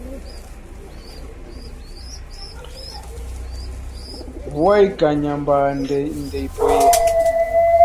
Vua ikanya mbaa, ndeipoye.